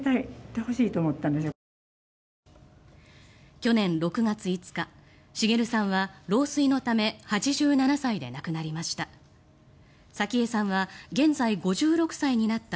去年６月５日滋さんは老衰のため８７歳で亡くなりました。